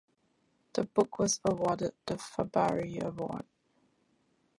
The book was awarded the Farabi Award.